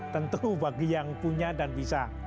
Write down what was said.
tentu bagi yang punya dan bisa